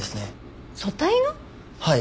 はい。